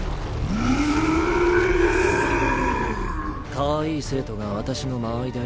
かわいい生徒が私の間合いだよ。